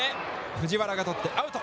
藤原が捕ってアウト。